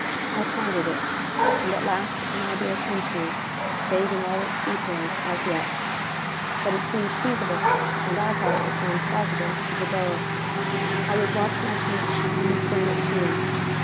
I pondered it. And at last an idea came to me, vague in all its details, as yet. But it seemed feasible, and I thought it would sound plausible to De Boer. I would watch my chance and explain it to him.